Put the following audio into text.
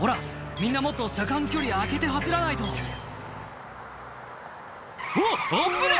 みんなもっと車間距離空けて走らないとうわ危ねっ！